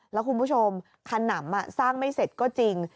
แล้วคุณผู้ชมขนำสร้างไม่เสร็จก็จริง